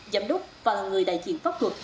giám đốc và là người đại diện pháp luật